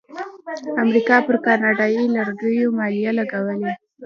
امریکا پر کاناډایی لرګیو مالیه لګوي.